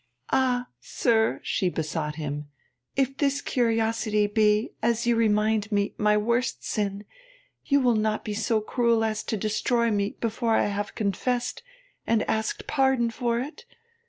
'Ah, sir!' she besought him, (if this curiosity be, as you remind me, my worst sin, you will not be so cruel as to destroy me before I have confessed and asked pardon for it.